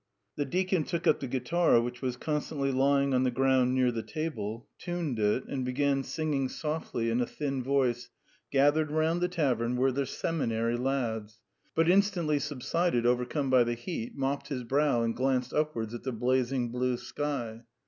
The deacon took up the guitar, which was constantly lying on the ground near the table, tuned it, and began singing softly in a thin voice: "'Gathered round the tavern were the seminary lads,'" but instantly subsided, overcome by the heat, mopped his brow and glanced upwards at the blazing blue sky.